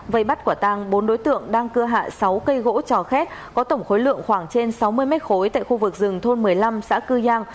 vây bắt quả tăng bốn đối tượng đang cưa hạ sáu cây gỗ trò khét có tổng khối lượng khoảng trên sáu mươi mét khối tại khu vực rừng thôn một mươi năm xã cư giang